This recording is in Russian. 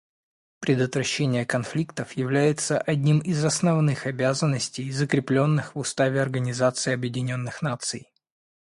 Предотвращение конфликтов является одним из основных обязанностей, закрепленных в Уставе Организации Объединенных Наций.